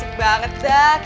terima kasih datuk